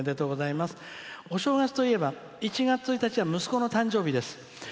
「お正月といえば、１月１日は息子の誕生日です。